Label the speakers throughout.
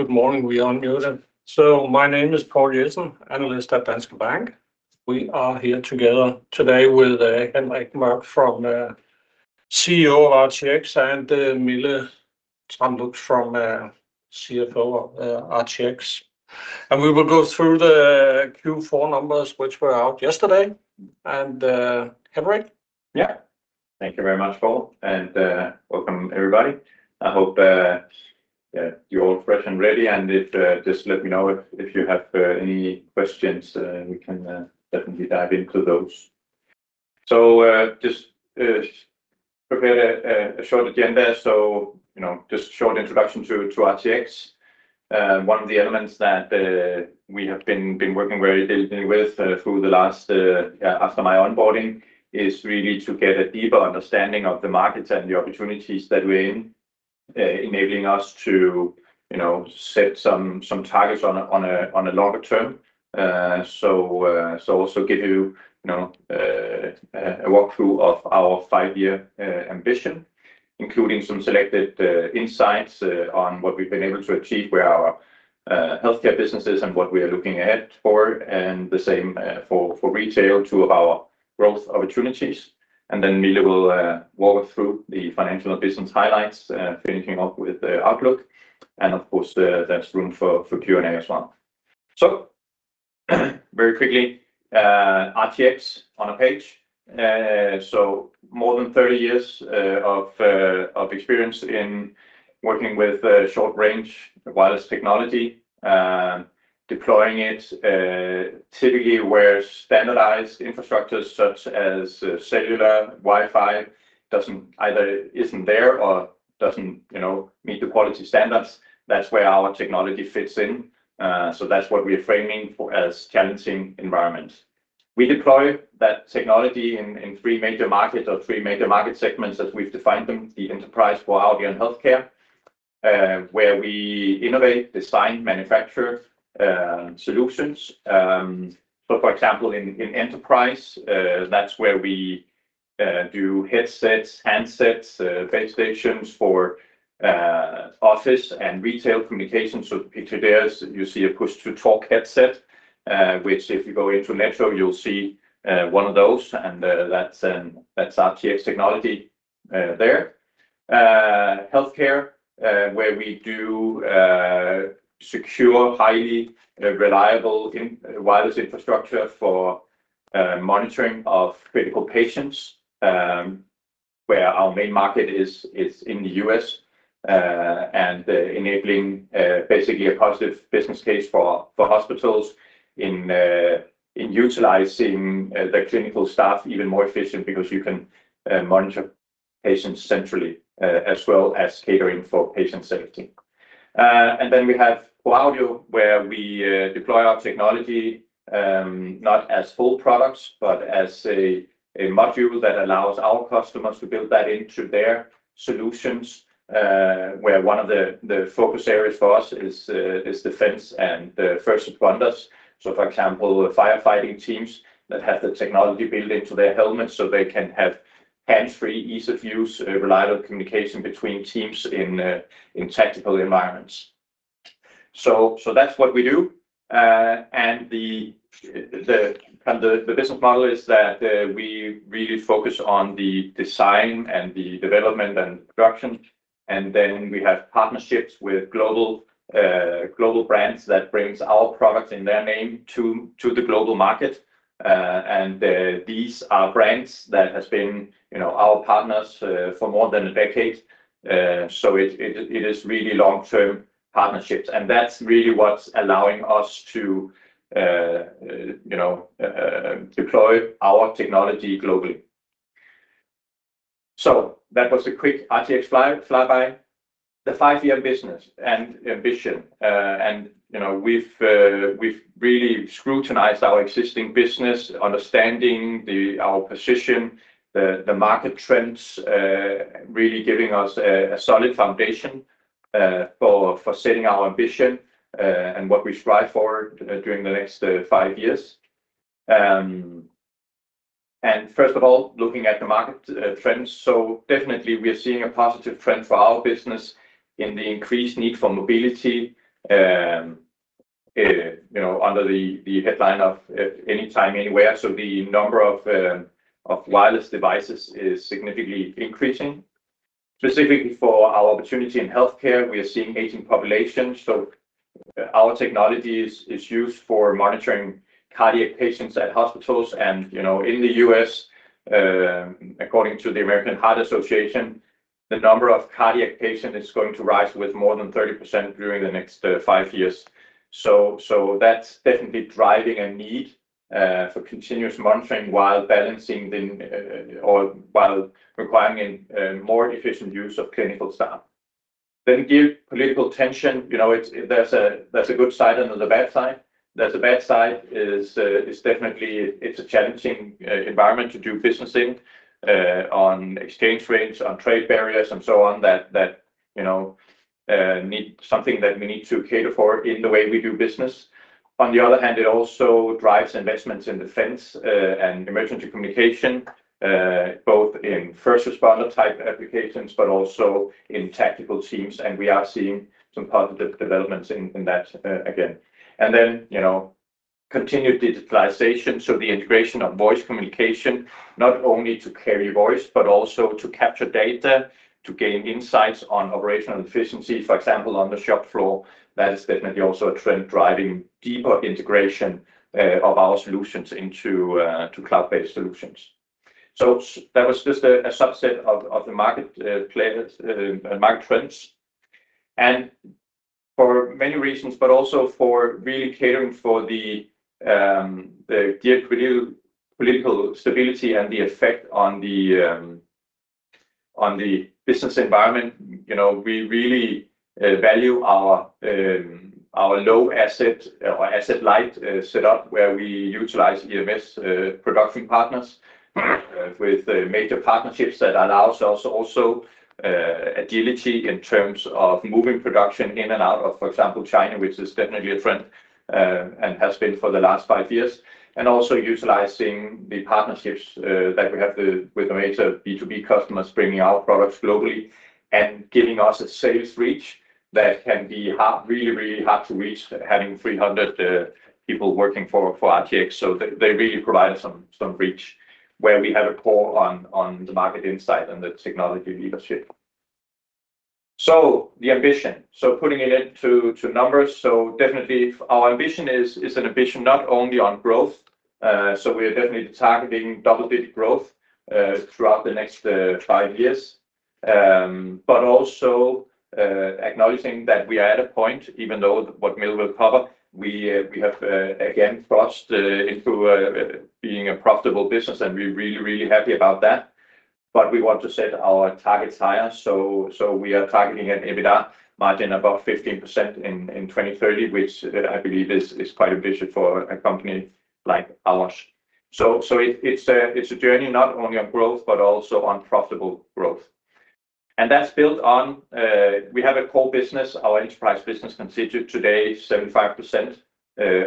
Speaker 1: Good morning, [Rian and Jure]. My name is Paul Jason, analyst at Danske Bank. We are here together today with Henrik Mørck, CEO of RTX, and Mille Tram Lux, CFO of RTX. We will go through the Q4 numbers, which were out yesterday. Henrik?
Speaker 2: Yeah, thank you very much, Paul, and welcome everybody. I hope you're all fresh and ready, and if just let me know if you have any questions, we can definitely dive into those. I just prepared a short agenda. Just a short introduction to RTX. One of the elements that we have been working very diligently with through the last, after my onboarding, is really to get a deeper understanding of the markets and the opportunities that we're in, enabling us to set some targets on a longer term. I will also give you a walkthrough of our five-year ambition, including some selected insights on what we've been able to achieve with our healthcare businesses and what we are looking ahead for, and the same for retail to our growth opportunities. Mille will walk us through the financial and business highlights, finishing up with the outlook. Of course, there's room for Q&A as well. Very quickly, RTX on a page. More than 30 years of experience in working with short-range wireless technology, deploying it typically where standardized infrastructure such as cellular Wi-Fi isn't there or doesn't meet the quality standards. That's where our technology fits in. That's what we are framing as challenging environments. We deploy that technology in three major markets or three major market segments as we've defined them, the enterprise, broadband, and healthcare, where we innovate, design, manufacture solutions. For example, in enterprise, that's where we do headsets, handsets, base stations for office and retail communications. Picture there, you see a push-to-talk headset, which if you go into Netto, you'll see one of those, and that's RTX technology there. Healthcare, where we do secure, highly reliable wireless infrastructure for monitoring of critical patients, where our main market is in the U.S., and enabling basically a positive business case for hospitals in utilizing the clinical staff even more efficiently because you can monitor patients centrally as well as catering for patient safety. Then we have broadband, where we deploy our technology, not as full products, but as a module that allows our customers to build that into their solutions, where one of the focus areas for us is defense and first responders. For example, firefighting teams that have the technology built into their helmets so they can have hands-free, ease of use, reliable communication between teams in tactical environments. That is what we do. The business model is that we really focus on the design and the development and production. We have partnerships with global brands that bring our products in their name to the global market. These are brands that have been our partners for more than a decade. It is really long-term partnerships. That is really what is allowing us to deploy our technology globally. That was a quick RTX flyby. The five-year business and ambition. We have really scrutinized our existing business, understanding our position, the market trends, really giving us a solid foundation for setting our ambition and what we strive for during the next five years. First of all, looking at the market trends. We are definitely seeing a positive trend for our business in the increased need for mobility under the headline of anytime, anywhere. The number of wireless devices is significantly increasing. Specifically for our opportunity in healthcare, we are seeing aging population. Our technology is used for monitoring cardiac patients at hospitals. In the U.S., according to the American Heart Association, the number of cardiac patients is going to rise by more than 30% during the next five years. That is definitely driving a need for continuous monitoring while balancing or while requiring a more efficient use of clinical staff. Geopolitical tension has a good side and a bad side. The bad side is definitely that it is a challenging environment to do business in on exchange rates, on trade barriers, and so on. That is something that we need to cater for in the way we do business. On the other hand, it also drives investments in defense and emergency communication, both in first responder type applications, but also in tactical teams. We are seeing some positive developments in that again. Then continued digitalization. The integration of voice communication, not only to carry voice, but also to capture data, to gain insights on operational efficiency, for example, on the shop floor, is definitely also a trend driving deeper integration of our solutions into cloud-based solutions. That was just a subset of the market trends. For many reasons, but also for really catering for the geopolitical stability and the effect on the business environment, we really value our low asset or asset light setup where we utilize EMS production partners with major partnerships that allow us also agility in terms of moving production in and out of, for example, China, which is definitely a trend and has been for the last five years. Also utilizing the partnerships that we have with the major B2B customers, bringing our products globally and giving us a sales reach that can be really, really hard to reach having 300 people working for RTX. They really provide us some reach where we have a call on the market insight and the technology leadership. The ambition, putting it into numbers, definitely, our ambition is an ambition not only on growth. We are definitely targeting double-digit growth throughout the next five years, also acknowledging that we are at a point, even though what Mille will cover, we have again thrust into being a profitable business, and we're really, really happy about that. We want to set our targets higher. We are targeting an EBITDA margin above 15% in 2030, which I believe is quite ambitious for a company like ours. It is a journey not only on growth, but also on profitable growth. That is built on we have a core business, our enterprise business constitutes today 75%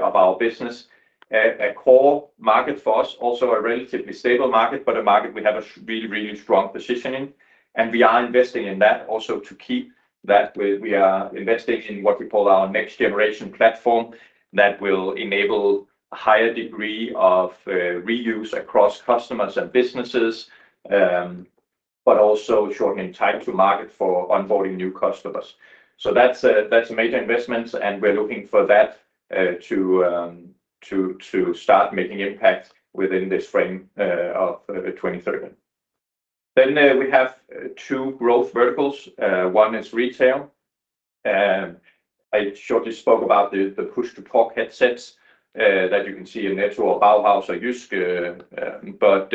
Speaker 2: of our business. A core market for us, also a relatively stable market, but a market we have a really, really strong position in. We are investing in that also to keep that. We are investing in what we call our next generation platform that will enable a higher degree of reuse across customers and businesses, but also shortening time to market for onboarding new customers. That is a major investment, and we are looking for that to start making impact within this frame of 2030. We have two growth verticals. One is retail. I shortly spoke about the push-to-talk headsets that you can see in Netto, Bauhaus, or JYSK, but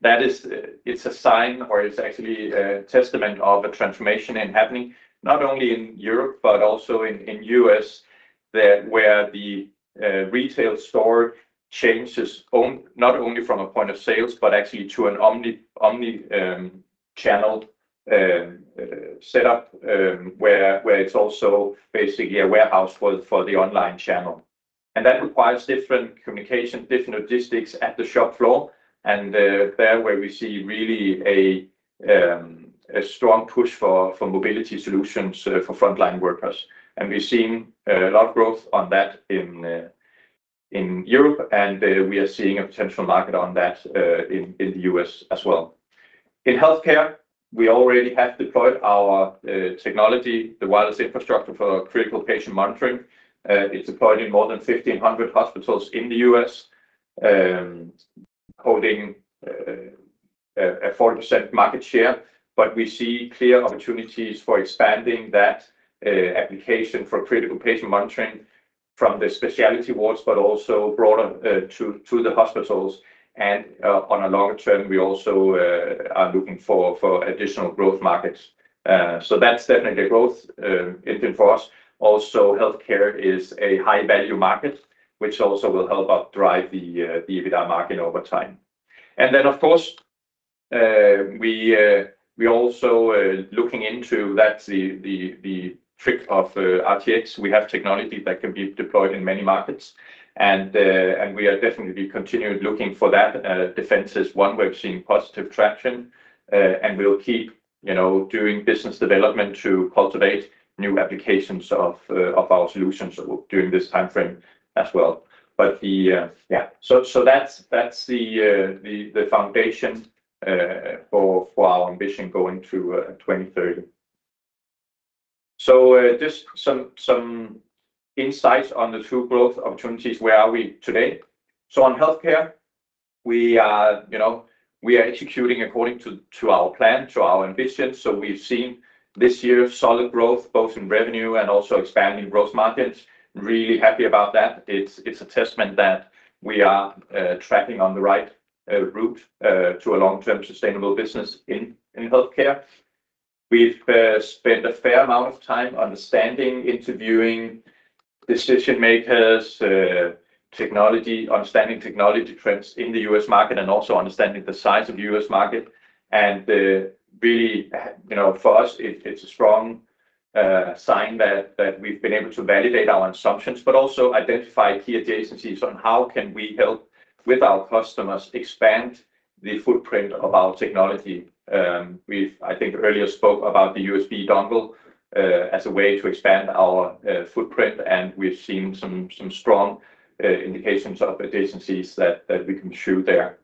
Speaker 2: that is, it's a sign or it's actually a testament of a transformation happening not only in Europe, but also in the U.S., where the retail store changes not only from a point of sales, but actually to an omnichannel setup where it's also basically a warehouse for the online channel. That requires different communication, different logistics at the shop floor. There we see really a strong push for mobility solutions for frontline workers. We've seen a lot of growth on that in Europe, and we are seeing a potential market on that in the U.S. as well. In healthcare, we already have deployed our technology, the wireless infrastructure for critical patient monitoring. It's deployed in more than 1,500 hospitals in the U.S., holding a 40% market share. We see clear opportunities for expanding that application for critical patient monitoring from the specialty wards, but also broader to the hospitals. On a longer term, we also are looking for additional growth markets. That is definitely a growth engine for us. Also, healthcare is a high-value market, which also will help us drive the EBITDA margin over time. Of course, we are also looking into that, the trick of RTX. We have technology that can be deployed in many markets, and we are definitely continuing to look for that. Defense is one we have seen positive traction, and we will keep doing business development to cultivate new applications of our solutions during this time frame as well. That is the foundation for our ambition going to 2030. Just some insights on the two growth opportunities, where are we today? On healthcare, we are executing according to our plan, to our ambitions. We have seen this year solid growth, both in revenue and also expanding gross margins. Really happy about that. It is a testament that we are tracking on the right route to a long-term sustainable business in healthcare. We have spent a fair amount of time understanding, interviewing decision-makers, understanding technology trends in the U.S. market, and also understanding the size of the U.S. market. Really, for us, it is a strong sign that we have been able to validate our assumptions, but also identify key adjacencies on how we can help our customers expand the footprint of our technology. We, I think, earlier spoke about the USB dongle as a way to expand our footprint, and we have seen some strong indications of adjacencies that we can pursue there.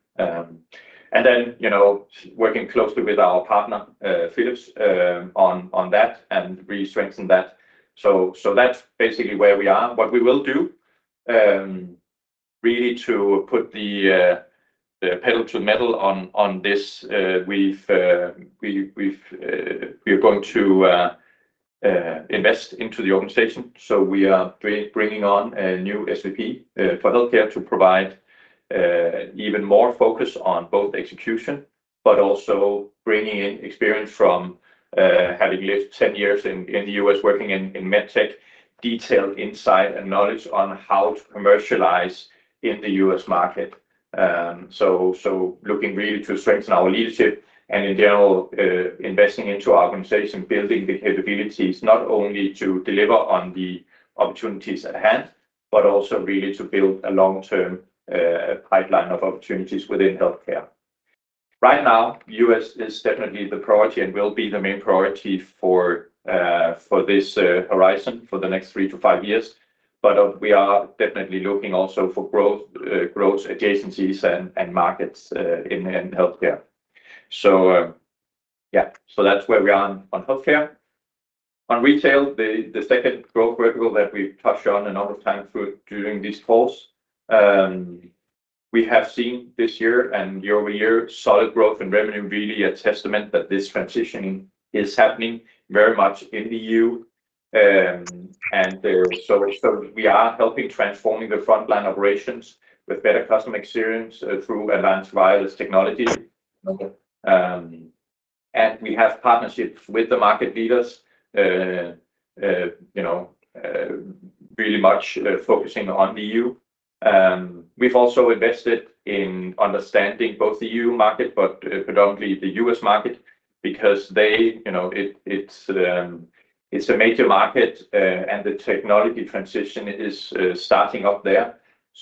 Speaker 2: Working closely with our partner, Philips, on that and really strengthen that. That is basically where we are. What we will do to really put the pedal to metal on this, we are going to invest into the organization. We are bringing on a new SVP for healthcare to provide even more focus on both execution, but also bringing in experience from having lived 10 years in the US, working in med tech, detailed insight and knowledge on how to commercialize in the US market. Looking really to strengthen our leadership and, in general, investing into our organization, building the capabilities not only to deliver on the opportunities at hand, but also really to build a long-term pipeline of opportunities within healthcare. Right now, the US is definitely the priority and will be the main priority for this horizon for the next three to five years. We are definitely looking also for growth adjacencies and markets in healthcare. Yeah, that's where we are on healthcare. On retail, the second growth vertical that we've touched on a number of times during this course, we have seen this year and year over year solid growth in revenue, really a testament that this transition is happening very much in the EU. We are helping transforming the frontline operations with better customer experience through advanced wireless technology. We have partnerships with the market leaders, really much focusing on the EU. We've also invested in understanding both the EU market, but predominantly the US market, because it's a major market and the technology transition is starting up there.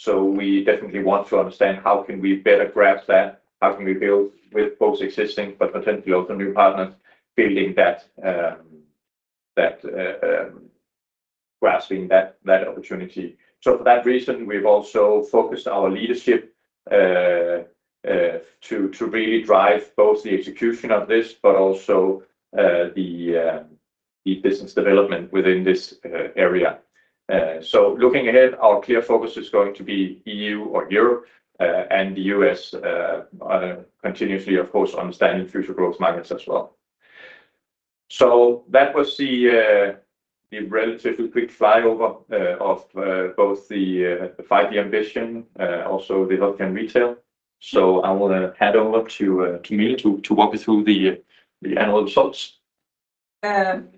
Speaker 2: We definitely want to understand how can we better grasp that, how can we build with both existing, but potentially also new partners, building that, grasping that opportunity. For that reason, we've also focused our leadership to really drive both the execution of this, but also the business development within this area. Looking ahead, our clear focus is going to be Europe and the US, continuously, of course, understanding future growth markets as well. That was the relatively quick flyover of both the five-year ambition, also the healthcare and retail. I want to hand over to Mille to walk us through the annual results.
Speaker 3: Some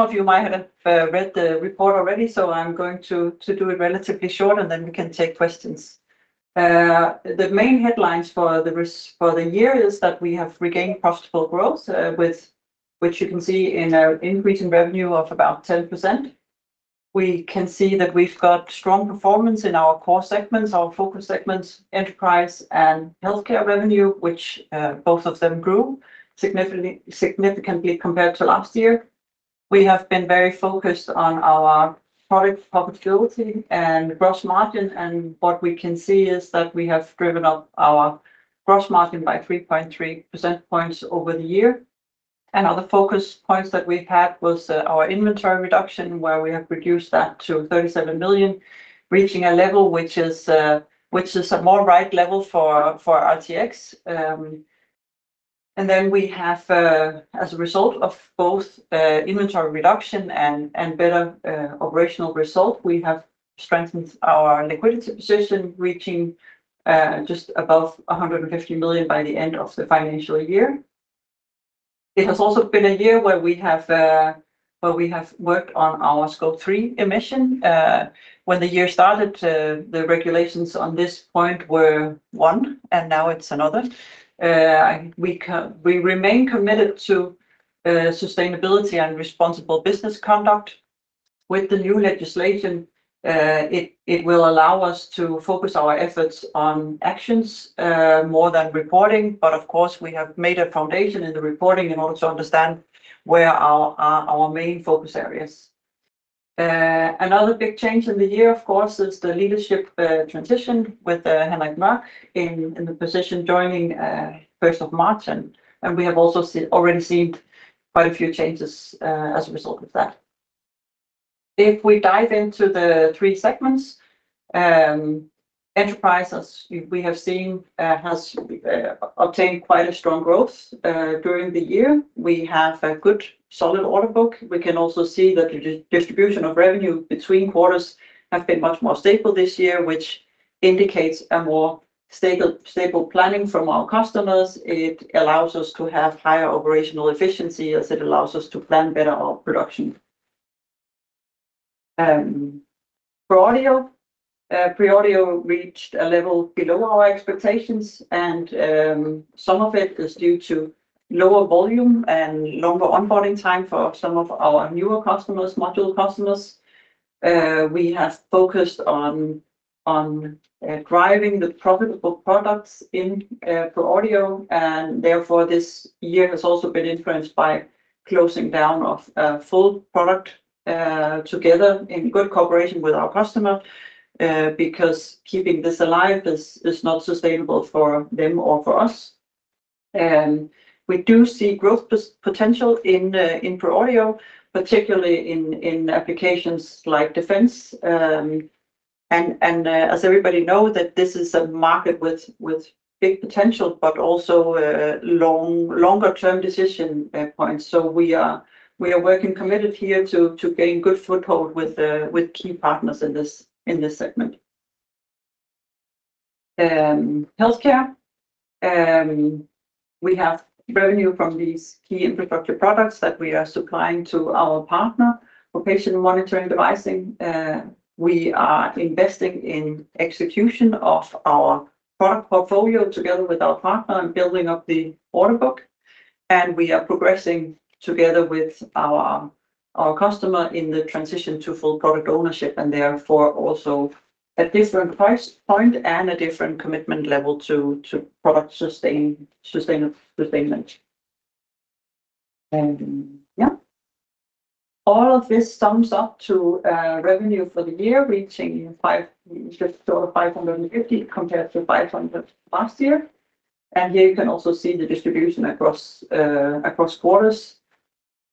Speaker 3: of you might have read the report already, so I'm going to do it relatively short, and then we can take questions. The main headlines for the year is that we have regained profitable growth, which you can see in an increase in revenue of about 10%. We can see that we've got strong performance in our core segments, our focus segments, enterprise and healthcare revenue, which both of them grew significantly compared to last year. We have been very focused on our product profitability and gross margin, and what we can see is that we have driven up our gross margin by 3.3 percentage points over the year. Other focus points that we had was our inventory reduction, where we have reduced that to 37 million, reaching a level which is a more right level for RTX. We have, as a result of both inventory reduction and better operational result, strengthened our liquidity position, reaching just above 150 million by the end of the financial year. It has also been a year where we have worked on our Scope three emissions. When the year started, the regulations on this point were one, and now it is another. We remain committed to sustainability and responsible business conduct. With the new legislation, it will allow us to focus our efforts on actions more than reporting. Of course, we have made a foundation in the reporting in order to understand where our main focus areas are. Another big change in the year, of course, is the leadership transition with [Henrik Mørck] in the position joining 1st of March. We have also already seen quite a few changes as a result of that. If we dive into the three segments, enterprise, as we have seen, has obtained quite a strong growth during the year. We have a good solid order book. We can also see that the distribution of revenue between quarters has been much more stable this year, which indicates a more stable planning from our customers. It allows us to have higher operational efficiency as it allows us to plan better our production. ProAudio reached a level below our expectations, and some of it is due to lower volume and longer onboarding time for some of our newer customers, module customers. We have focused on driving the profitable products in ProAudio, and therefore this year has also been influenced by closing down of full product together in good cooperation with our customer, because keeping this alive is not sustainable for them or for us. We do see growth potential inProAudio, particularly in applications like defense. As everybody knows, this is a market with big potential, but also longer-term decision points. We are working committed here to gain good foothold with key partners in this segment. Healthcare, we have revenue from these key infrastructure products that we are supplying to our partner for patient monitoring devicing. We are investing in execution of our product portfolio together with our partner and building up the order book. We are progressing together with our customer in the transition to full product ownership, and therefore also a different price point and a different commitment level to product sustainability. Yeah. All of this sums up to revenue for the year, reaching just over 550 million compared to 500 million last year. Here you can also see the distribution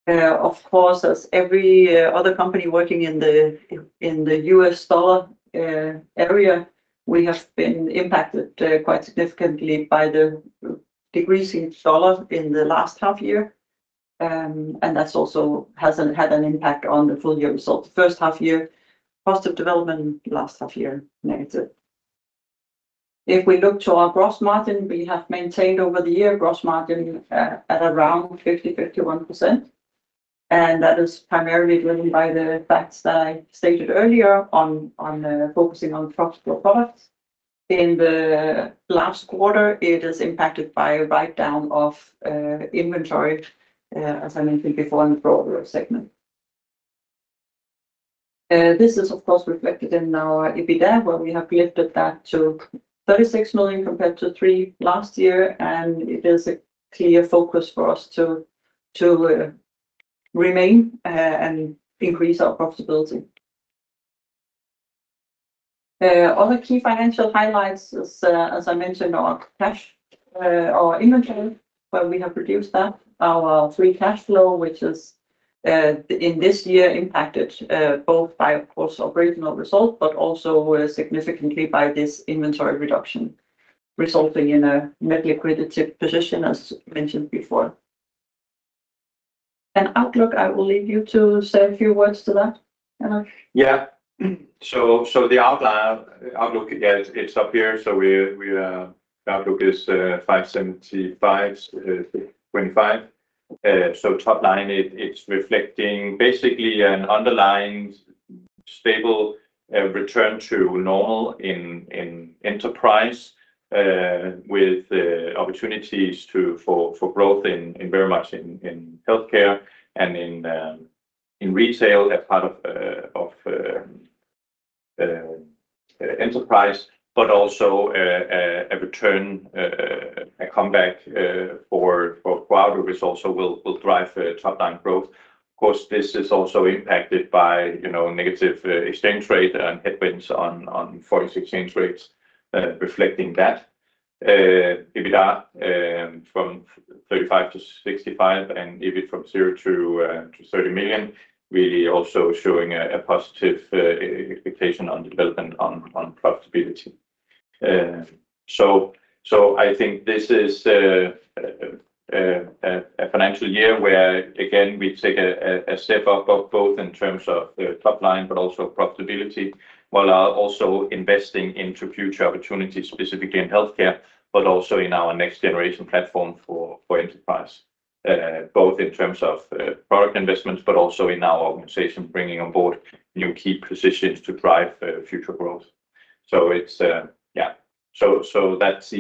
Speaker 3: across quarters. Of course, as every other company working in the US doller area, we have been impacted quite significantly by the decreasing dollar in the last half year. That also has had an impact on the full year result. First half year, cost of development, last half year, negative. If we look to our gross margin, we have maintained over the year gross margin at around 50%-51%. That is primarily driven by the facts that I stated earlier on focusing on profitable products. In the last quarter, it is impacted by a write-down of inventory, as I mentioned before, in the broader segment. This is, of course, reflected in our EBITDA, where we have lifted that to 36 million compared to 3 million last year. It is a clear focus for us to remain and increase our profitability. Other key financial highlights, as I mentioned, are cash or inventory, where we have reduced that. Our free cash flow, which is in this year impacted both by, of course, operational result, but also significantly by this inventory reduction, resulting in a net liquidity position, as mentioned before. Outlook, I will leave you to say a few words to that, Henrik.
Speaker 2: Yeah. The Outlook, yeah, it is up here. The Outlook is 575 million to DKK 25 million. Top line, it is reflecting basically an underlying stable return to normal in enterprise with opportunities for growth very much in healthcare and in retail as part of enterprise, but also a return, a comeback for ProAudio result will drive top-down growth. Of course, this is also impacted by negative exchange rate and headwinds on foreign exchange rates, reflecting that. EBITDA from 35 million-65 million and EBIT from 0-30 million, really also showing a positive expectation on development on profitability. I think this is a financial year where, again, we take a step up both in terms of top line, but also profitability, while also investing into future opportunities, specifically in healthcare, but also in our next generation platform for enterprise, both in terms of product investments, but also in our organization bringing on board new key positions to drive future growth. Yeah, that's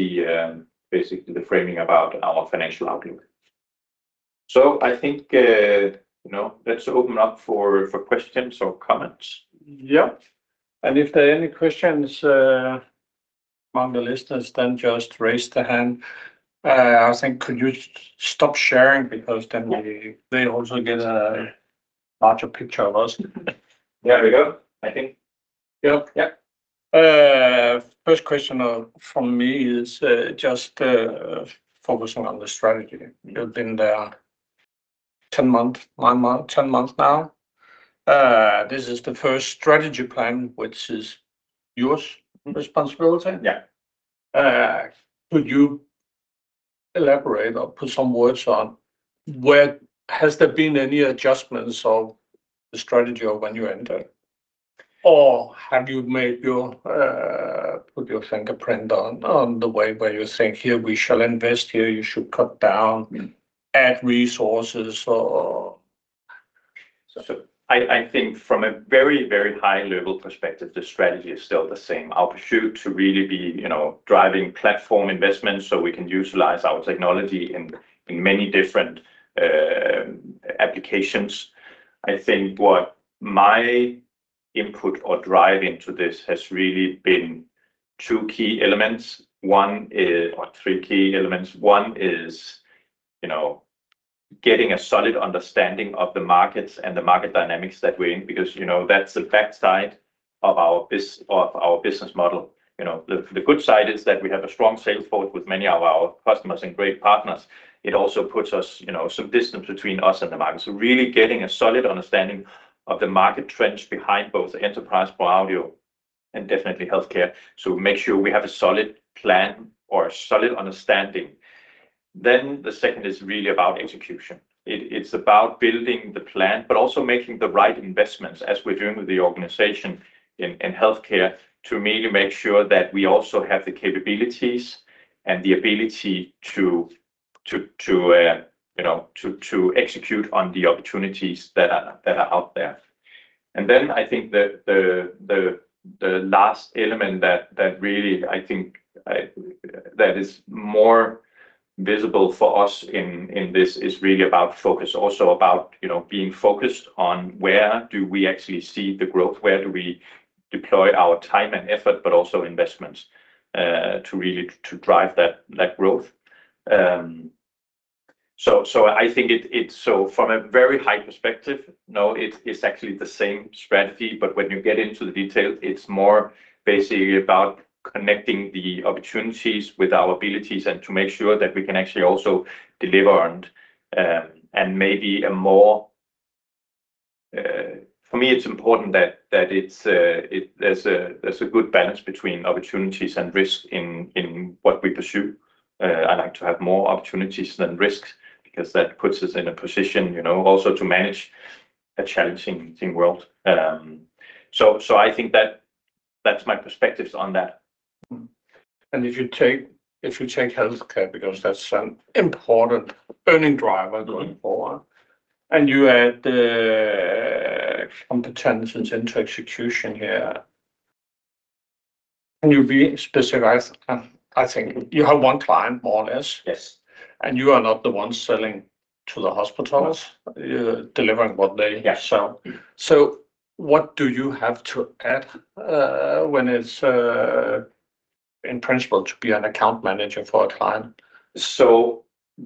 Speaker 2: basically the framing about our financial outlook. I think let's open up for questions or comments. Yeah.
Speaker 1: If there are any questions among the listeners, then just raise the hand. I think could you stop sharing because then they also get a larger picture of us. There we go, I think. Yeah. First question from me is just focusing on the strategy. You've been there 10 months now. This is the first strategy plan, which is your responsibility.
Speaker 2: Could you elaborate or put some words on, has there been any adjustments of the strategy when you entered, or have you put your fingerprint on the way where you think, "Here, we shall invest. Here, you should cut down, add resources"? I think from a very, very high-level perspective, the strategy is still the same. Our pursuit to really be driving platform investments so we can utilize our technology in many different applications. I think what my input or drive into this has really been two key elements. One or three key elements. One is getting a solid understanding of the markets and the market dynamics that we're in, because that's the backside of our business model. The good side is that we have a strong sales force with many of our customers and great partners. It also puts us some distance between us and the market. Really getting a solid understanding of the market trends behind both enterprise, ProAudio, and definitely healthcare. Make sure we have a solid plan or a solid understanding. The second is really about execution. It is about building the plan, but also making the right investments, as we are doing with the organization in healthcare, to really make sure that we also have the capabilities and the ability to execute on the opportunities that are out there. I think the last element that really is more visible for us in this is really about focus, also about being focused on where we actually see the growth, where we deploy our time and effort, but also investments to really drive that growth. I think it's, from a very high perspective, no, it's actually the same strategy, but when you get into the details, it's more basically about connecting the opportunities with our abilities and to make sure that we can actually also deliver. For me, it's important that it's a good balance between opportunities and risk in what we pursue. I like to have more opportunities than risks because that puts us in a position also to manage a challenging world. I think that's my perspectives on that.
Speaker 1: If you take healthcare, because that's an important earning driver going forward, and you add competencies into execution here, can you be specified? I think you have one client, more or less. Yes. And you are not the one selling to the hospitals, delivering what they sell. What do you have to add when it's, in principle, to be an account manager for a client?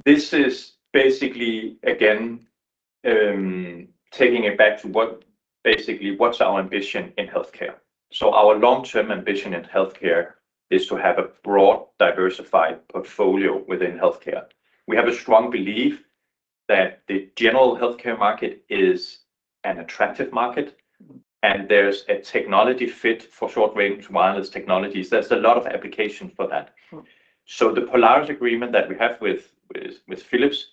Speaker 2: This is basically, again, taking it back to basically what's our ambition in healthcare. Our long-term ambition in healthcare is to have a broad, diversified portfolio within healthcare. We have a strong belief that the general healthcare market is an attractive market, and there's a technology fit for short-range wireless technologies. There's a lot of applications for that. The Polaris agreement that we have with Philips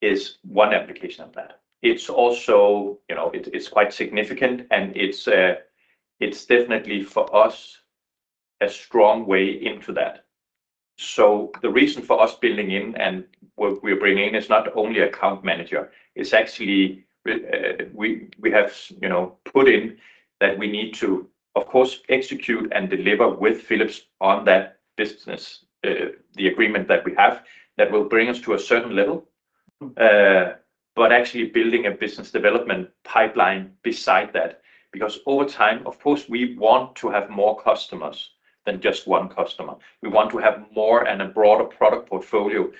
Speaker 2: is one application of that. It's also quite significant, and it's definitely for us a strong way into that. The reason for us building in and what we're bringing in is not only account manager. We have put in that we need to, of course, execute and deliver with Philips on that business, the agreement that we have that will bring us to a certain level, but actually building a business development pipeline beside that. Because over time, of course, we want to have more customers than just one customer. We want to have more and a broader product portfolio.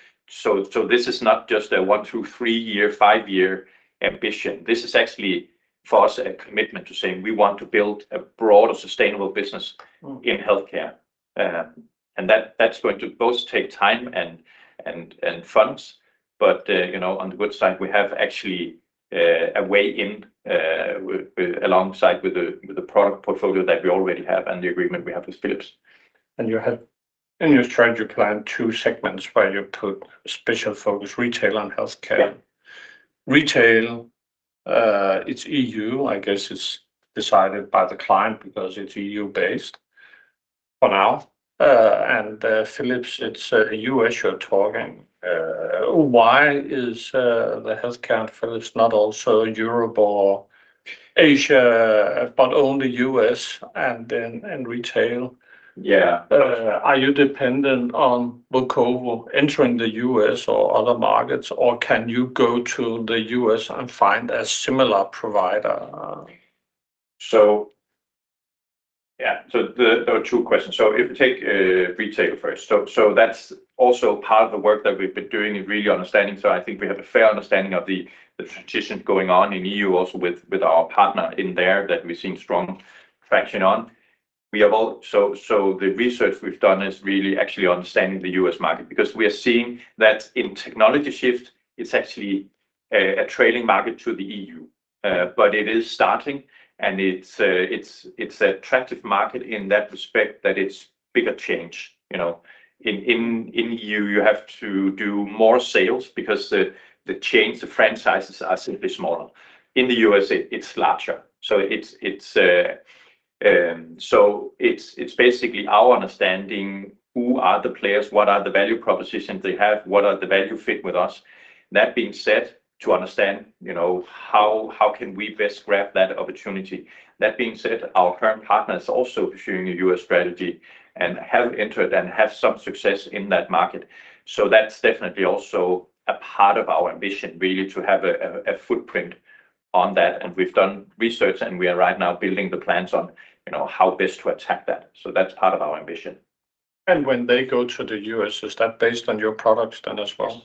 Speaker 2: This is not just a one to two, three to year, five to year ambition. This is actually for us a commitment to saying we want to build a broader sustainable business in healthcare. That is going to both take time and funds. On the good side, we have actually a way in alongside with the product portfolio that we already have and the agreement we have with Philips. You have tried to plan two segments where you put special focus retail on healthcare. Retail, it's EU, I guess it's decided by the client because it's EU-based for now.
Speaker 1: And Philips, it's U.S. you're talking. Why is the healthcare and Philips not also Europe, or Asia, but only US and then in retail? Yeah. Are you dependent on Vocovo entering the US or other markets, or can you go to the US and find a similar provider?
Speaker 2: Yeah, there are two questions. If we take retail first, that's also part of the work that we've been doing in really understanding. I think we have a fair understanding of the transition going on in EU, also with our partner in there that we've seen strong traction on. The research we've done is really actually understanding the US market because we are seeing that in technology shift, it's actually a trailing market to the EU. It is starting, and it's an attractive market in that respect that it's bigger change. In the EU, you have to do more sales because the change, the franchises are simply smaller. In the U.S., it's larger. It's basically our understanding who are the players, what are the value propositions they have, what are the value fit with us. That being said, to understand how can we best grab that opportunity. That being said, our current partner is also pursuing a U.S. strategy and have entered and have some success in that market. That's definitely also a part of our ambition, really to have a footprint on that. We've done research, and we are right now building the plans on how best to attack that. That's part of our ambition.
Speaker 1: When they go to the U.S., is that based on your product then as well?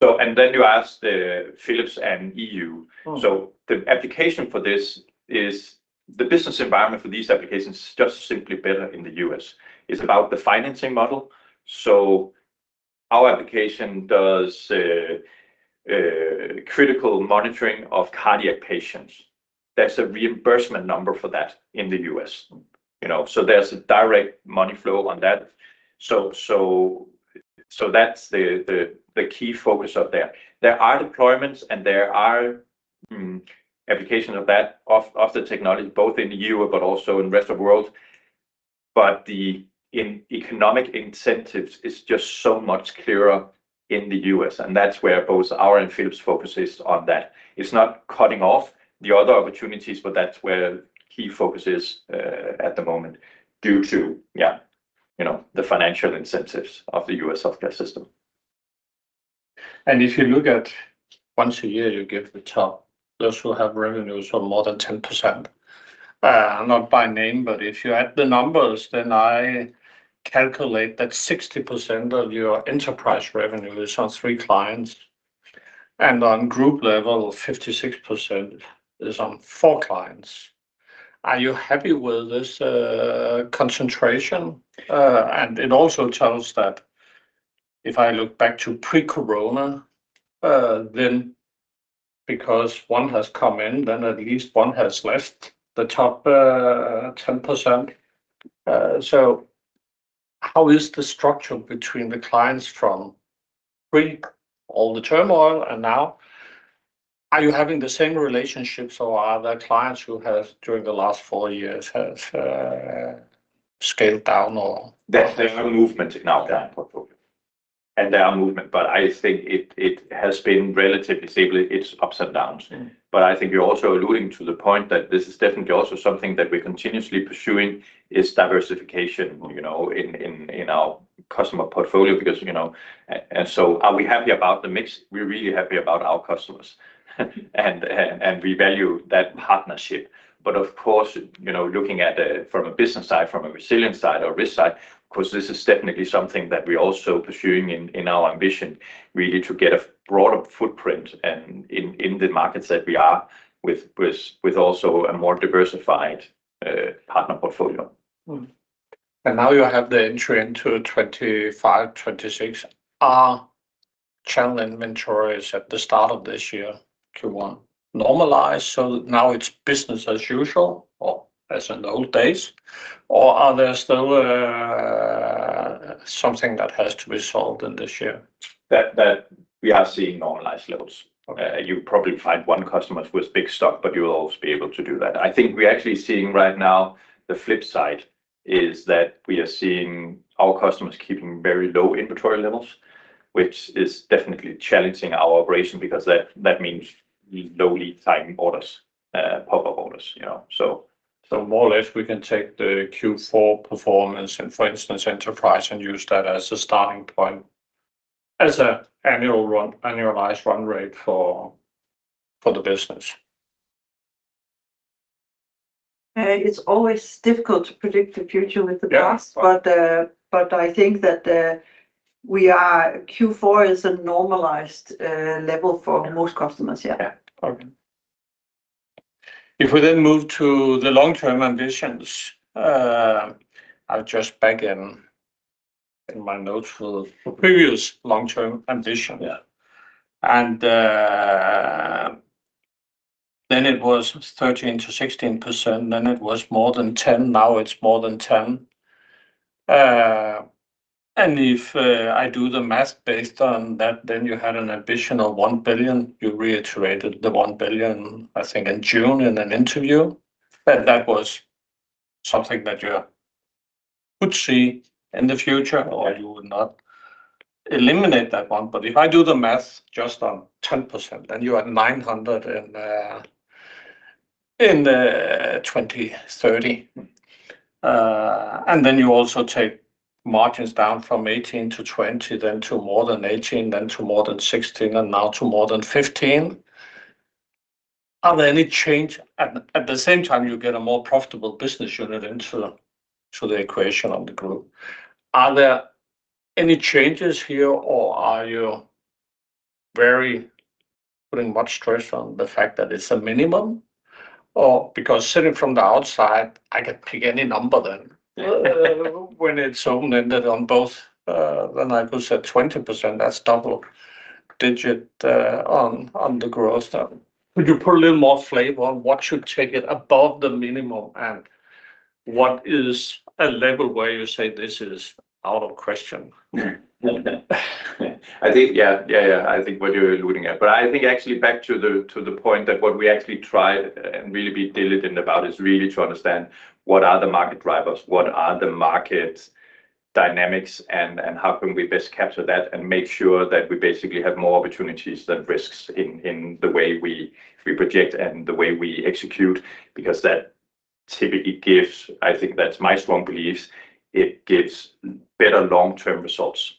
Speaker 2: You asked Philips and EU. The application for this is the business environment for these applications is just simply better in the US. It's about the financing model. Our application does critical monitoring of cardiac patients. There's a reimbursement number for that in the U.S. There's a direct money flow on that. That's the key focus of there. There are deployments, and there are applications of that of the technology, both in the EU, but also in the rest of the world. The economic incentives are just so much clearer in the U.S. That's where both our and Philips' focus is on that. It's not cutting off the other opportunities, but that's where key focus is at the moment due to, yeah, the financial incentives of the U.S. healthcare system.
Speaker 1: If you look at once a year, you give the top, those who have revenues of more than 10%. Not by name, but if you add the numbers, then I calculate that 60% of your enterprise revenue is on three clients. At group level, 56% is on four clients. Are you happy with this concentration? It also tells us that if I look back to pre-Corona, then because one has come in, then at least one has left the top 10%. How is the structure between the clients from pre, all the turmoil, and now? Are you having the same relationships or are there clients who have during the last four years scaled down or?
Speaker 2: There are movements in our client portfolio. There are movements, but I think it has been relatively stable. It's ups and downs. I think you're also alluding to the point that this is definitely also something that we're continuously pursuing, which is diversification in our customer portfolio. Are we happy about the mix? We're really happy about our customers, and we value that partnership. Of course, looking at it from a business side, from a resilience side or risk side, this is definitely something that we're also pursuing in our ambition, really to get a broader footprint in the markets that we are in with also a more diversified partner portfolio.
Speaker 1: Now you have the entry into 2025, 2026. Are channel inventories at the start of this year to normalize? Now it's business as usual or as in old days, or is there still something that has to be solved in this year?
Speaker 2: We are seeing normalized levels. You probably find one customer who has big stock, but you'll always be able to do that. I think we're actually seeing right now the flip side is that we are seeing our customers keeping very low inventory levels, which is definitely challenging our operation because that means low lead time orders, pop-up orders. More or less, we can take the Q4 performance and, for instance, enterprise and use that as a starting point as an annualized run rate for the business. It's always difficult to predict the future with the past, but I think that we are Q4 is a normalized level for most customers. Yeah. Okay.
Speaker 1: If we then move to the long-term ambitions, I'll just back in my notes for previous long-term ambition. Then it was 13%-16%. Then it was more than 10%. Now it's more than 10%. If I do the math based on that, you had an additional 1 billion. You reiterated the 1 billion, I think, in June in an interview. That was something that you could see in the future, or you would not eliminate that one. If I do the math just on 10%, you are at DKK 900 million in 2030. You also take margins down from 18%-20%, then to more than 18%, then to more than 16%, and now to more than 15%. Are there any changes? At the same time, you get a more profitable business unit into the equation of the group. Are there any changes here, or are you putting much stress on the fact that it is a minimum? Because sitting from the outside, I could pick any number when it is open-ended on both. I could say 20%, that's double-digit on the growth. Could you put a little more flavor on what should take it above the minimum? What is a level where you say this is out of question?
Speaker 2: I think, yeah, yeah, yeah. I think what you're alluding at. I think actually back to the point that what we actually tried and really be diligent about is really to understand what are the market drivers, what are the market dynamics, and how can we best capture that and make sure that we basically have more opportunities than risks in the way we project and the way we execute? That typically gives, I think that's my strong beliefs, it gives better long-term results.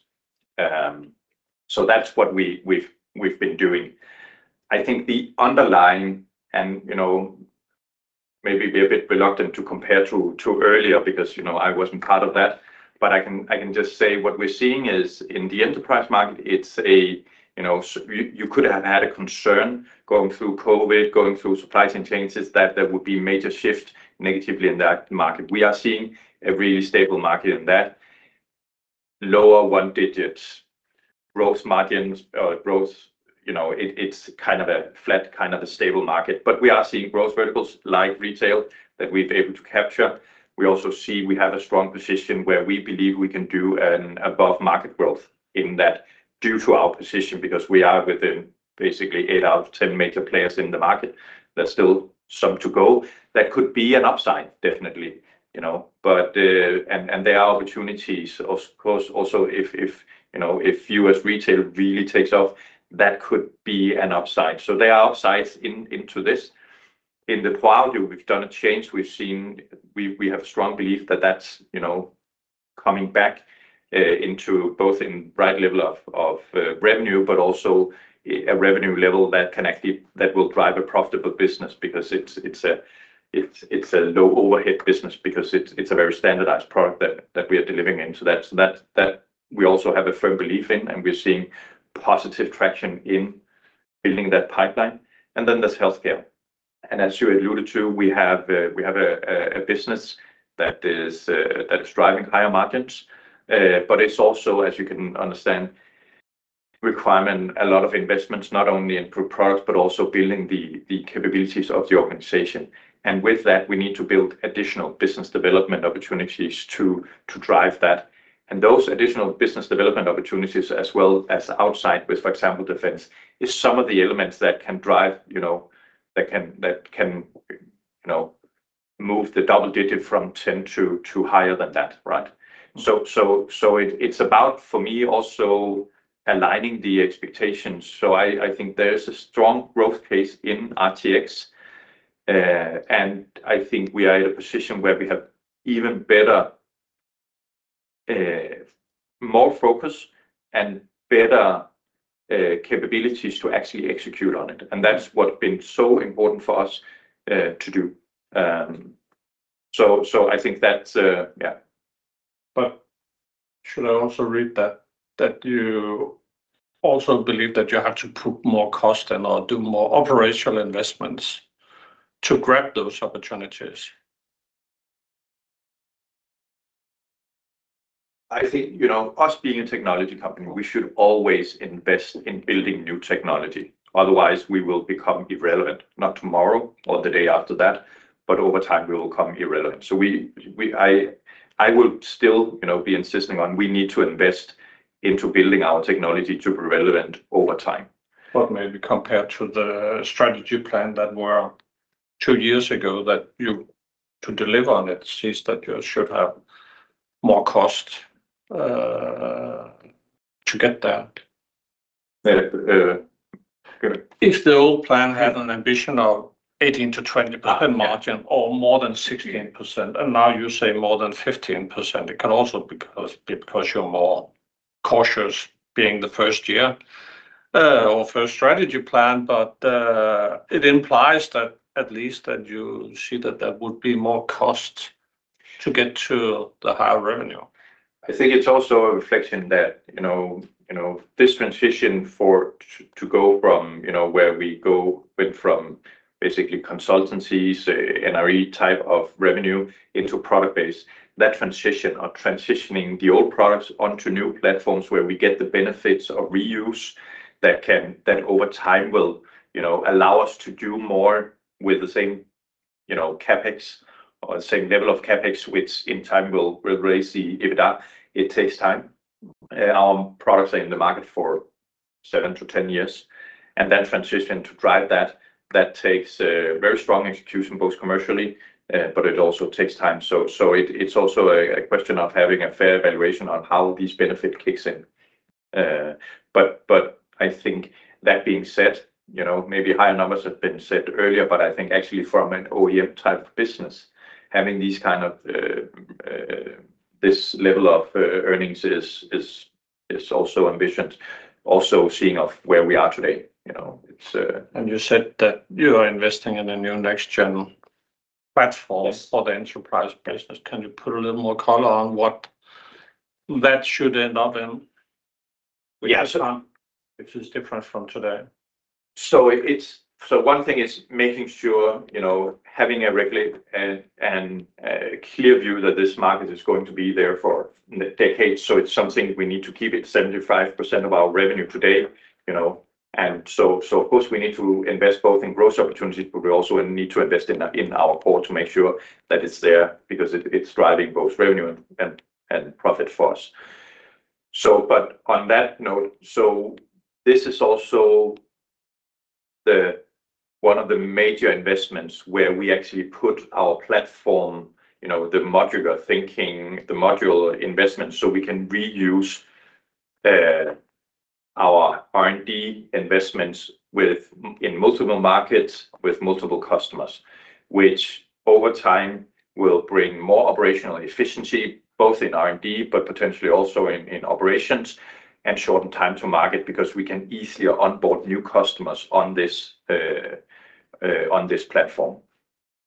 Speaker 2: That's what we've been doing. I think the underlying, and maybe be a bit reluctant to compare to earlier because I wasn't part of that, but I can just say what we're seeing is in the enterprise market, it's a you could have had a concern going through COVID, going through supply chain changes that there would be major shift negatively in that market. We are seeing a really stable market in that. Lower one-digit growth margins, growth, it's kind of a flat, kind of a stable market. We are seeing growth verticals like retail that we've been able to capture. We also see we have a strong position where we believe we can do an above-market growth in that due to our position because we are within basically 8 out of 10 major players in the market. There's still some to go. That could be an upside, definitely. There are opportunities, of course, also if U.S. retail really takes off, that could be an upside. There are upsides into this. In the quality, we've done a change. We've seen we have a strong belief that that's coming back into both in bright level of revenue, but also a revenue level that will drive a profitable business because it's a low-overhead business because it's a very standardized product that we are delivering into that. We also have a firm belief in that, and we're seeing positive traction in building that pipeline. There is healthcare. As you alluded to, we have a business that is driving higher margins. It's also, as you can understand, requiring a lot of investments, not only in product, but also building the capabilities of the organization. With that, we need to build additional business development opportunities to drive that. Those additional business development opportunities, as well as outside with, for example, defense, are some of the elements that can drive, that can move the double-digit from 10% to higher than that, right? It is about, for me, also aligning the expectations. I think there is a strong growth case in RTX. I think we are in a position where we have even better, more focus, and better capabilities to actually execute on it. That is what has been so important for us to do. I think that, yeah. Should I also read that you also believe that you have to put more cost and/or do more operational investments to grab those opportunities? I think us being a technology company, we should always invest in building new technology. Otherwise, we will become irrelevant, not tomorrow or the day after that, but over time, we will become irrelevant. I will still be insisting on we need to invest into building our technology to be relevant over time.
Speaker 1: Maybe compared to the strategy plan that was two years ago that you had to deliver on, it seems that you should have more cost to get there. If the old plan had an ambition of 18%-20% margin or more than 16%, and now you say more than 15%, it can also be because you're more cautious being the first year or first strategy plan, but it implies that at least you see that there would be more cost to get to the higher revenue.
Speaker 2: I think it's also a reflection that this transition to go from where we go from basically consultancies, NRE type of revenue into product-based, that transition or transitioning the old products onto new platforms where we get the benefits of reuse that over time will allow us to do more with the same CapEx or the same level of CapEx, which in time will raise the EBITDA. It takes time. Our products are in the market for 7 to 10 years. That transition to drive that, that takes very strong execution, both commercially, but it also takes time. It's also a question of having a fair evaluation on how these benefits kick in. I think that being said, maybe higher numbers have been said earlier, but I think actually from an OEM type of business, having this kind of this level of earnings is also ambitions, also seeing of where we are today.
Speaker 1: You said that you are investing in a new next-gen platform for the enterprise business. Can you put a little more color on what that should end up in? Yes. Which is different from today.
Speaker 2: One thing is making sure having a regular and clear view that this market is going to be there for decades. It is something we need to keep at 75% of our revenue today. Of course, we need to invest both in growth opportunities, but we also need to invest in our core to make sure that it is there because it is driving both revenue and profit for us. On that note, this is also one of the major investments where we actually put our platform, the modular thinking, the modular investments so we can reuse our R&D investments in multiple markets with multiple customers, which over time will bring more operational efficiency, both in R&D, but potentially also in operations and shorten time to market because we can easily onboard new customers on this platform.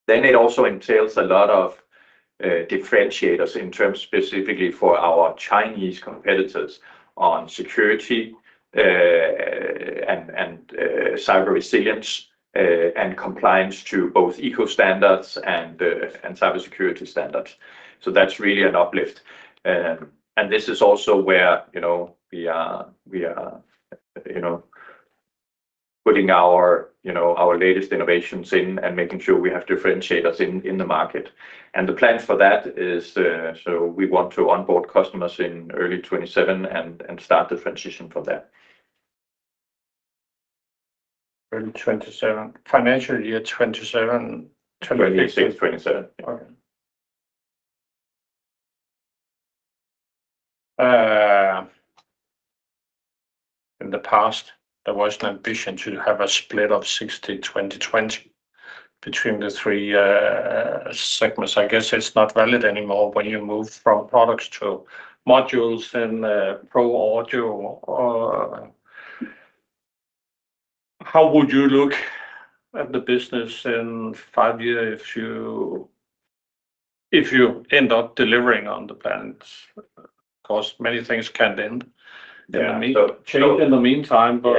Speaker 2: It also entails a lot of differentiators in terms specifically for our Chinese competitors on security and cyber resilience and compliance to both eco standards and cyber security standards. That is really an uplift. This is also where we are putting our latest innovations in and making sure we have differentiators in the market. The plan for that is we want to onboard customers in early 2027 and start the transition from there.
Speaker 1: Early 2027. Financial year 2027. 2026, 2027. Okay. In the past, there was an ambition to have a split of 60, 20, 20 between the three segments. I guess it's not valid anymore when you move from products to modules and pro audio. How would you look at the business in five years if you end up delivering on the plans? Of course, many things can change in the meantime. Yeah. Change in the meantime, but.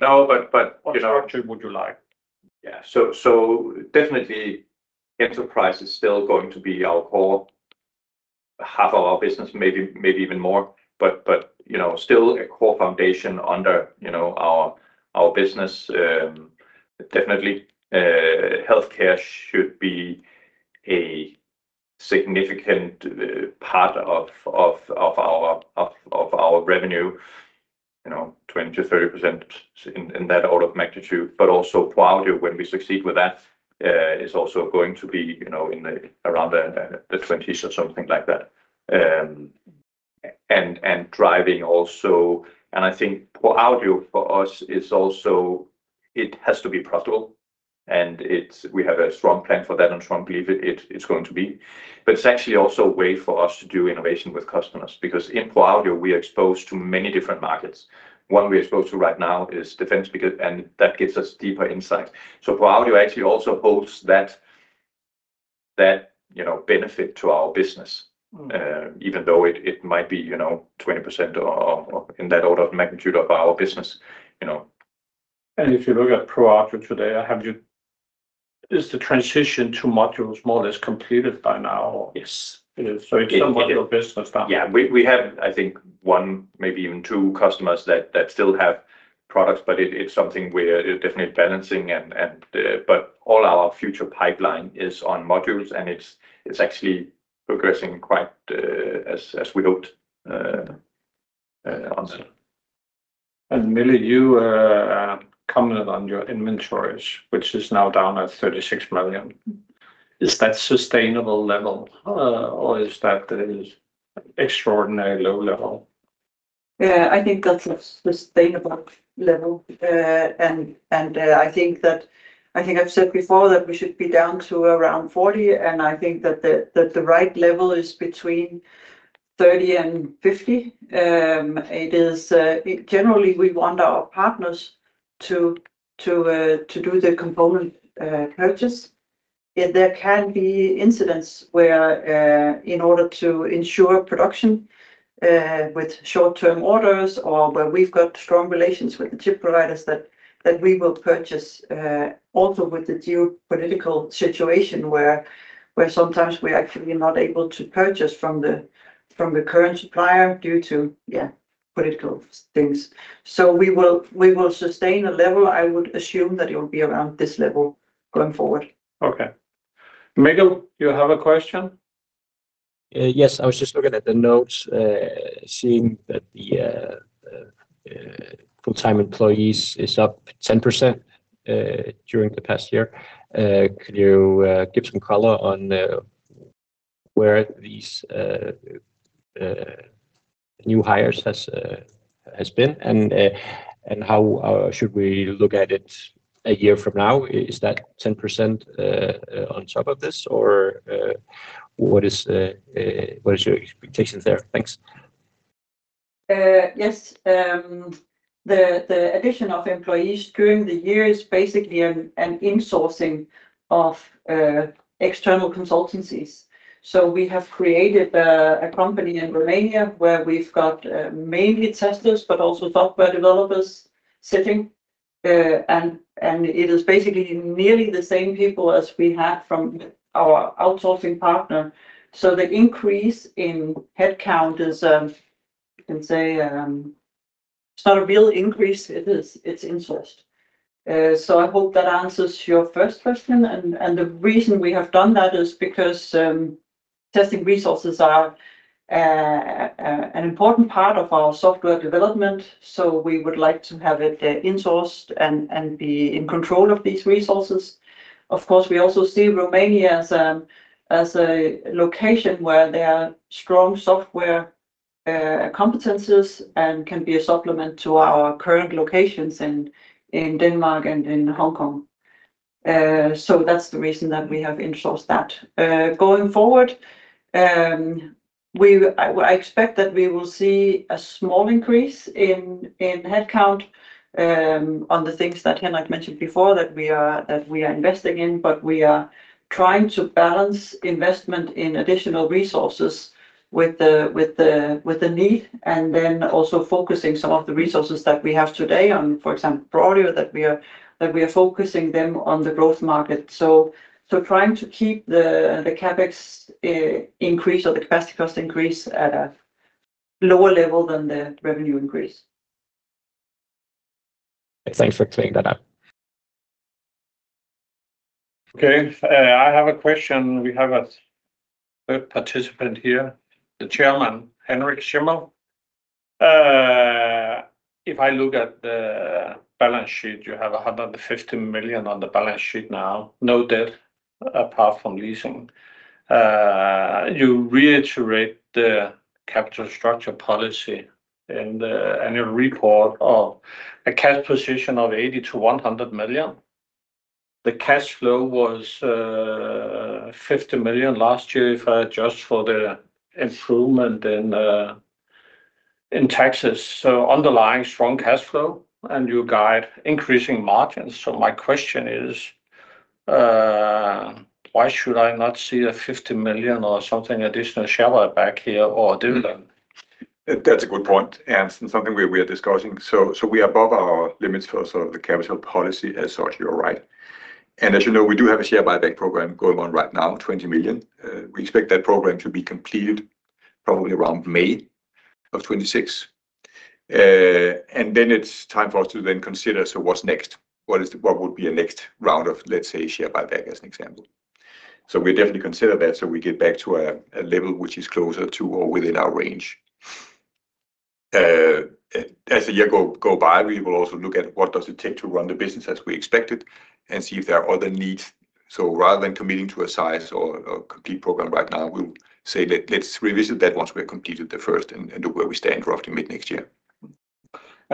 Speaker 1: No, but. What structure would you like?
Speaker 2: Yeah. Definitely enterprise is still going to be our core, half of our business, maybe even more, but still a core foundation under our business. Definitely. Healthcare should be a significant part of our revenue, 20-30% in that order of magnitude. Also, quality when we succeed with that is also going to be around the 20s or something like that. Driving also, and I think pro audio for us is also, it has to be profitable. We have a strong plan for that and strong belief it's going to be. It is actually also a way for us to do innovation with customers because in pro audio, we are exposed to many different markets. One we're exposed to right now is defense, and that gives us deeper insight. Pro audio actually also holds that benefit to our business, even though it might be 20% or in that order of magnitude of our business.
Speaker 1: If you look at pro audio today, is the transition to modules more or less completed by now?
Speaker 2: Yes. It is somewhat your business now. Yeah. We have, I think, one, maybe even two customers that still have products, but it's something we're definitely balancing. All our future pipeline is on modules, and it's actually progressing quite as we hoped on that.
Speaker 1: Mille, you commented on your inventories, which is now down at 36 million. Is that a sustainable level, or is that an extraordinarily low level?
Speaker 3: Yeah. I think that's a sustainable level. I think I've said before that we should be down to around 40 million, and I think that the right level is between 30 million-50 million. Generally, we want our partners to do the component purchase. There can be incidents where, in order to ensure production with short-term orders or where we've got strong relations with the chip providers, we will purchase. Also, with the geopolitical situation where sometimes we're actually not able to purchase from the current supplier due to political things. We will sustain a level. I would assume that it will be around this level going forward.
Speaker 1: Okay. Miguel, you have a question?
Speaker 4: Yes. I was just looking at the notes, seeing that the full-time employees is up 10% during the past year. Could you give some color on where these new hires has been and how should we look at it a year from now? Is that 10% on top of this, or what is your expectation there? Thanks.
Speaker 3: Yes. The addition of employees during the year is basically an insourcing of external consultancies. We have created a company in Romania where we've got mainly testers, but also software developers sitting. It is basically nearly the same people as we had from our outsourcing partner. The increase in headcount is, I can say, it's not a real increase. It's insourced. I hope that answers your first question. The reason we have done that is because testing resources are an important part of our software development. We would like to have it insourced and be in control of these resources. Of course, we also see Romania as a location where there are strong software competencies and it can be a supplement to our current locations in Denmark and in Hong Kong. That is the reason that we have insourced that. Going forward, I expect that we will see a small increase in headcount on the things that Henrik mentioned before that we are investing in, but we are trying to balance investment in additional resources with the need and then also focusing some of the resources that we have today on, for example, pro audio, that we are focusing them on the growth market. Trying to keep the CapEx increase or the capacity cost increase at a lower level than the revenue increase.
Speaker 4: Thanks for clearing that up.
Speaker 1: Okay. I have a question. We have a third participant here, the Chairman, Henrik Schimmell.
Speaker 5: If I look at the balance sheet, you have 150 million on the balance sheet now, no debt apart from leasing. You reiterate the capital structure policy and a report of a cash position of 80-100 million. The cash flow was 50 million last year if I adjust for the improvement in taxes. Underlying strong cash flow and you guide increasing margins. My question is, why should I not see a 50 million or something additional share buyback here or dividend?
Speaker 2: That's a good point. Something we're discussing. We are above our limits for the capital policy as such, you're right. As you know, we do have a share buyback program going on right now, 20 million. We expect that program to be completed probably around May of 2026. It is time for us to then consider what's next. What would be a next round of, let's say, share buyback as an example? We definitely consider that so we get back to a level which is closer to or within our range. As a year goes by, we will also look at what does it take to run the business as we expected and see if there are other needs. Rather than committing to a size or complete program right now, we'll say, "Let's revisit that once we have completed the first and where we stand roughly mid next year."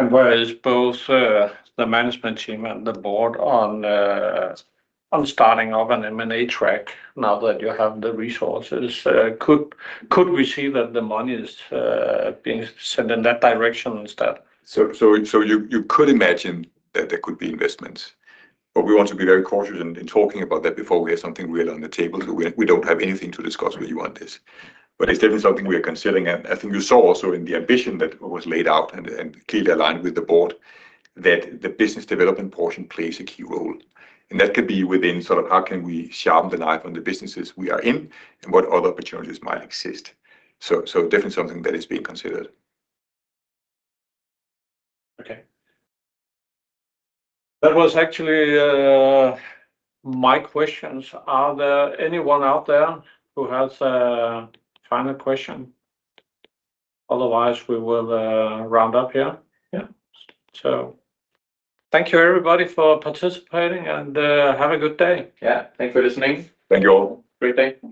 Speaker 5: Where is both the management team and the board on starting off an M&A track now that you have the resources? Could we see that the money is being sent in that direction instead? You could imagine that there could be investments. We want to be very cautious in talking about that before we have something real on the table. We do not have anything to discuss where you want this. It is definitely something we are considering. I think you saw also in the ambition that was laid out and clearly aligned with the board that the business development portion plays a key role. That could be within sort of how can we sharpen the knife on the businesses we are in and what other opportunities might exist. Definitely something that is being considered. Okay.
Speaker 1: That was actually my questions. Are there anyone out there who has a final question? Otherwise, we will round up here. Yeah. Thank you, everybody, for participating and have a good day. Yeah. Thanks for listening.
Speaker 2: Thank you all.
Speaker 1: Great day.